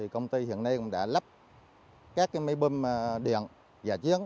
công ty hiện nay cũng đã lắp các máy bơm điện giả chiến